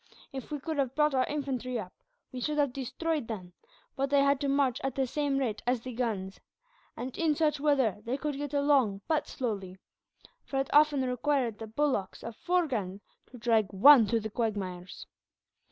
If we could have brought our infantry up, we should have destroyed them; but they had to march at the same rate as the guns; and in such weather they could get along but slowly, for it often required the bullocks of four guns to drag one through those quagmires.